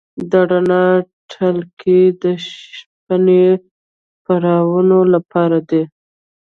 د رڼا تلکې د شپنۍ پروانو لپاره دي؟